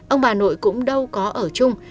ông bà nội cũng đâu có ở chung